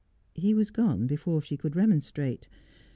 He was gone before she could remonstrate.